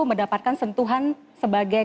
mendapatkan sentuhan sebagai